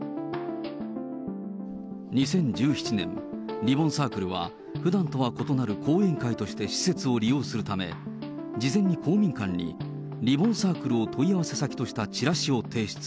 ２０１７年、リボンサークルは、ふだんとは異なる講演会として施設を利用するため、事前に公民館に、リボンサークルを問い合わせ先としたチラシを提出。